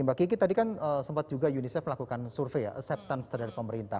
mbak kiki tadi kan sempat juga unicef melakukan survei ya acceptance terhadap pemerintah